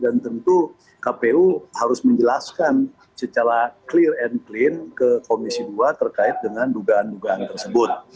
dan tentu kpu harus menjelaskan secara clear and clean ke komisi dua terkait dengan dugaan dugaan tersebut